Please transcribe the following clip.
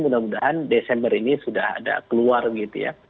mudah mudahan desember ini sudah ada keluar gitu ya